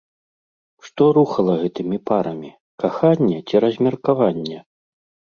Што рухала гэтымі парамі, каханне ці размеркаванне?